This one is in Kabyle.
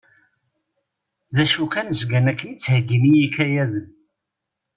D acu kan zgan akken i ttheyyin i yikayaden.